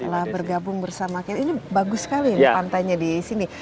telah bergabung bersama kita ini bagus sekali ini pantainya di sini